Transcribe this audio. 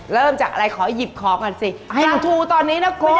เริ่มจากอะไรขอหยิบของก่อนสิอินทูตอนนี้นะคุณ